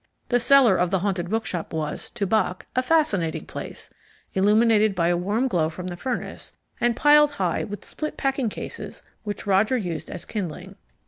The cellar of the Haunted Bookshop was, to Bock, a fascinating place, illuminated by a warm glow from the furnace, and piled high with split packing cases which Roger used as kindling.